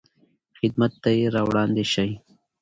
خدمت ته یې راوړاندې شئ.